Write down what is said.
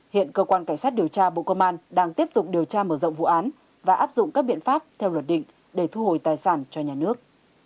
hiện cơ quan cảnh sát điều tra bộ công an đang tiếp tục điều tra mở rộng vụ án và áp dụng các biện pháp theo luật định để thu hồi tài sản cho nhà nước